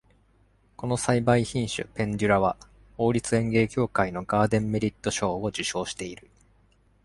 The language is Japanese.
この栽培品種「ペンデュラ」は、王立園芸協会のガーデン・メリット賞を受賞している。